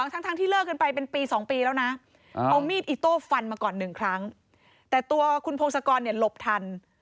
ทั้งที่เลิกกันไปเป็นปี๒ปีแล้วนะเอามีดอิโต้ฟันมาก่อนหนึ่งครั้งแต่ตัวคุณพงศกรเนี่ยหลบทัน